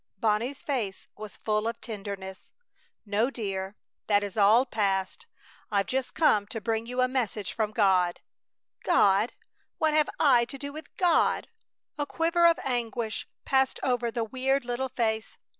Bonnie's face was full of tenderness. "No, dear! That is all passed. I've just come to bring you a message from God." "God! What have I to do with God?" A quiver of anguish passed over the weird little face.